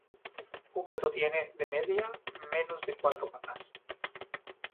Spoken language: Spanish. Un gato tiene, de media, menos de cuatro patas.